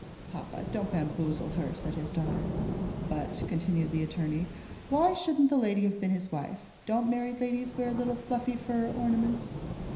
"Papa, don't bamboozle her," said his daughter. "But," continued the attorney, "why shouldn't the lady have been his wife? Don't married ladies wear little fluffy fur ornaments?"